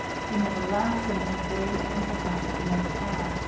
He never laughed in those days, and perhaps never had.